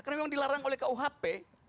karena memang dilarang oleh kuhp